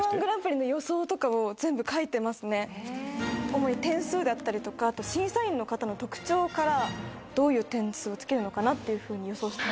主に点数だったりとかあと審査員の方の特徴からどういう点数をつけるのかなっていうふうに予想してます。